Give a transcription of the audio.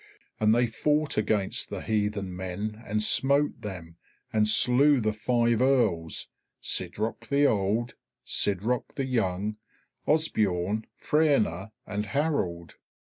And they fought against the heathen men and smote them, and slew the five Earls, Sidroc the Old, Sidroc the Young, Osbeorn, Fraena, and Harold.